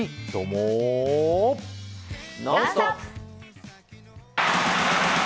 「ノンストップ！」。